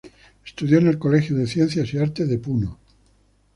Estudio en el Colegio de Ciencias y Artes de Puno.